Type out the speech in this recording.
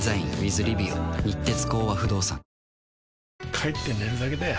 帰って寝るだけだよ